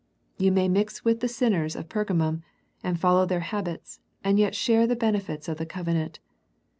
You may mix with the sinners of Pergamum, and follow their habits, and yet share the benefits of the covenant.